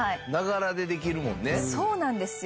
そうなんですよ。